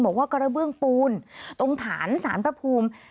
บอกว่ากระเบื้องปูนตรงฐานสารประภูมิ